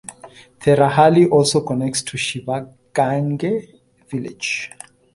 Therahalli also connects to Shivagange Village.